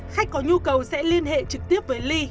khách có nhu cầu sẽ liên hệ trực tiếp với ly